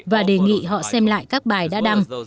và đề nghị họ xem lại các bài đã đăng